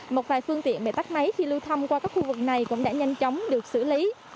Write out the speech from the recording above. một vài phương tiện bị tắt máy khi lưu thông qua các khu vực này cũng đã nhanh chóng được xử lý